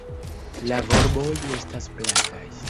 La volboj estas plataj.